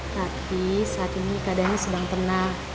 tapi saat ini keadaannya sedang tenang